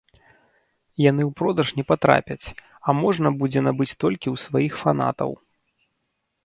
Яны ў продаж не патрапяць, а можна будзе набыць толькі ў сваіх фанатаў.